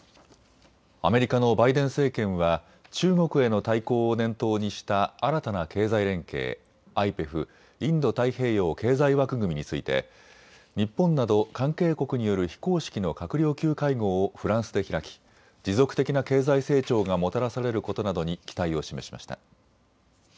アメリカのバイデン政権は中国への対抗を念頭にした新たな経済連携、ＩＰＥＦ・インド太平洋経済枠組みについて、日本など関係国による非公式の閣僚級会合をフランスで開き持続的な経済成長がもたらされることなどに期待を示しました。